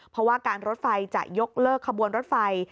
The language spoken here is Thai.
เพราะว่าการรถไฟจะยกเลิกขบวนรถไฟ